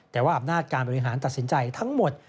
แต่ว่าอำนาจการบริหารตัดสินใจทั้งหมด